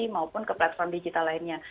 maupun ke platform digital lainnya